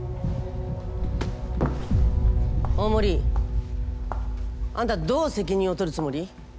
大森あんたどう責任を取るつもり？